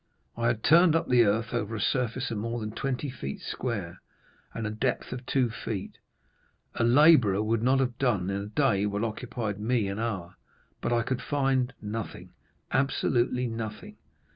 I had turned up the earth over a surface of more than twenty feet square, and a depth of two feet. A laborer would not have done in a day what occupied me an hour. But I could find nothing—absolutely nothing.